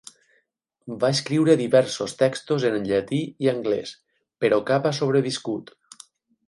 Va escriure diversos textos en llatí i anglès, però cap ha sobreviscut.